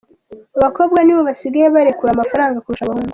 Abakobwa ni bo basigaye barekura amafaranga kurusha abahungu